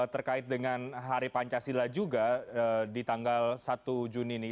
terkait dengan hari pancasila juga di tanggal satu juni ini